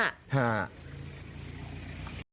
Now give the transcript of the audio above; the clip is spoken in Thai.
ครับ